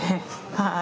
はい。